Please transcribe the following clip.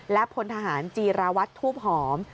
และพลทหารจีราวัตรทูบหอม